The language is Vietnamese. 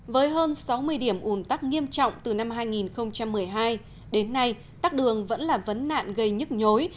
với hơn sáu mươi điểm ủn tắc nghiêm trọng từ năm hai nghìn một mươi hai đến nay tắc đường vẫn là vấn nạn gây nhức nhối